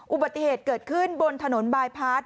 อุบัติเหตุเกิดขึ้นบนถนนบายพาร์ท